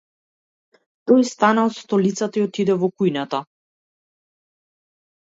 Тој стана од столицата и отиде во кујната.